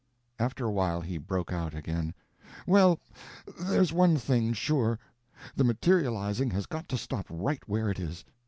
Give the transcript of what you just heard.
After a while he broke out again: "Well, there's one thing, sure. The materializing has got to stop right where it is.